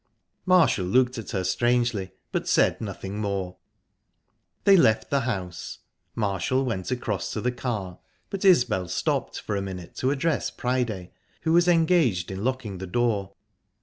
Marshall looked at her strangely, but said nothing more. They left the house. Marshall went across to the car, but Isbel stopped for a minute to address Priday, who was engaged in locking the door.